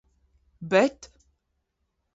Bet...